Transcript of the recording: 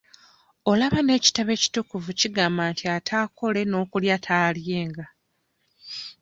Olaba n'ekitabo ekitukuvu kigamba nti ataakole n'okulya taalyenga.